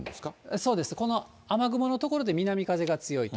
そうです、この雨雲の所で南風が強いと。